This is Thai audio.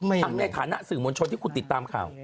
ทั้งในฐานะสื่อมวลชนที่คุณติดตามข่าว